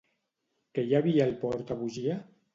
Què hi havia al portabugia?